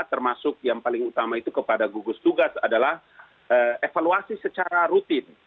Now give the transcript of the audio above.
termasuk yang paling utama itu kepada gugus tugas adalah evaluasi secara rutin